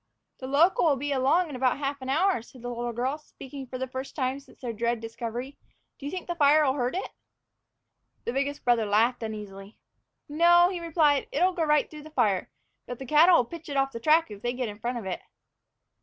"The local'll be along in about half an hour," said the little girl, speaking for the first time since their dread discovery. "Do you think the fire'll hurt it?" The biggest brother laughed uneasily. "No," he replied, "it'll go right through the fire; but the cattle'll pitch it off the track if they get in front of it."